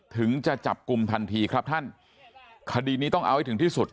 ถึงจะจับกลุ่มทันทีครับท่านคดีนี้ต้องเอาให้ถึงที่สุด